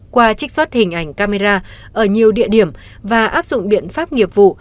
qua trích xuất hình ảnh camera ở nhiều địa điểm và áp dụng biện pháp nghiệp vụ